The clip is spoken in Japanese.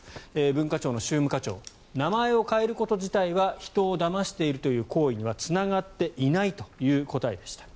文化庁の宗務課長名前を変えること自体は人をだましているという行為にはつながっていないという答えでした。